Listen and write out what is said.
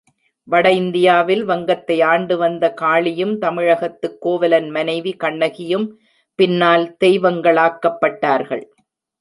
வட இந்தியாவில் வங்கத்தை ஆண்டு வந்த காளியும் தமிழகத்துக் கோவலன் மனைவி கண்ணகியும் பின்னால் தெய்வங்களாக்கப்பட்டார்கள்.